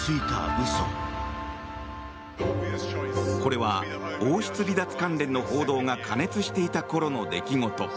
これは王室離脱関連の報道が過熱していたころの出来事。